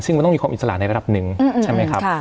ซึ่งมันต้องมีความอิสระในระดับหนึ่งใช่ไหมครับ